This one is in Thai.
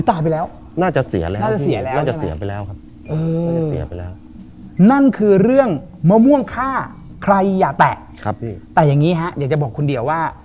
แต่อย่างนี้ครับอยากจะบอกคุณเดียวว่า